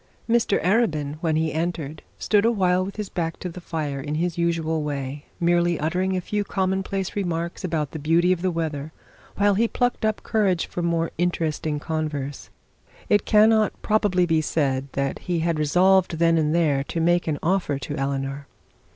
Mr Arabin when he entered stood awhile with his back to the fire in his usual way, merely uttering a few commonplace remarks about the beauty of the weather, while he plucked up courage for the more interesting converse. It cannot probably be said that he had resolved then and there to make an offer to Eleanor.